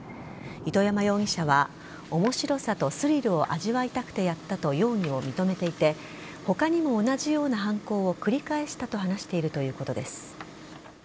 糸山容疑者は面白さとスリルを味わいたくてやったと容疑を認めていて他にも同じような犯行を繰り返したと話しているということです。